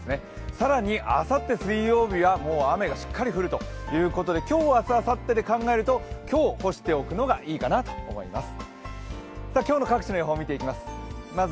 更にあさって水曜日は雨がしっかり降るということで、今日、明日、あさってで考えると今日、干しておくのがいいかなと思います。